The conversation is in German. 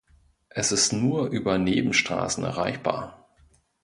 Es ist nur über Nebenstraßen erreichbar.